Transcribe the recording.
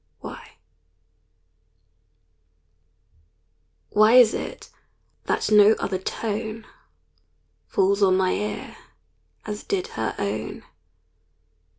Why? Why is it that no other tone Falls on my ear as did her own?